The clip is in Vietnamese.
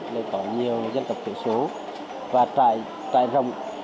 đây có nhiều dân tộc thiểu số và trại rộng